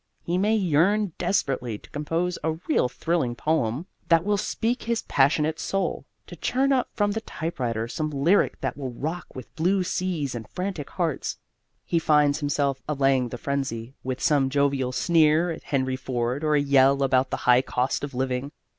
He may yearn desperately to compose a really thrilling poem that will speak his passionate soul; to churn up from the typewriter some lyric that will rock with blue seas and frantic hearts; he finds himself allaying the frenzy with some jovial sneer at Henry Ford or a yell about the High Cost of Living.